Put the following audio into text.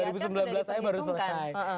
dua ribu sembilan belas aja baru selesai